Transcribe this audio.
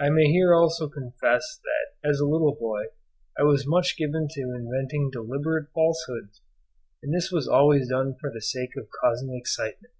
I may here also confess that as a little boy I was much given to inventing deliberate falsehoods, and this was always done for the sake of causing excitement.